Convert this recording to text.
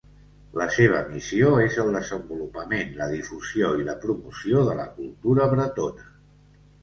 La seva missió és el desenvolupament, la difusió i la promoció de la cultura bretona.